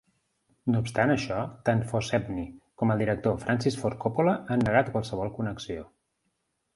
No obstant això, tant Poshepny com el director Francis Ford Coppola han negat qualsevol connexió.